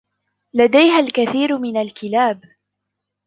لديها الكثير من الكلاب.